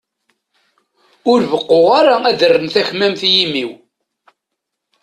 Ur beqquɣ ara ad rren takmamt i yimi-w.